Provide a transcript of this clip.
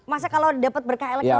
masa kalau dapat berkah elektoral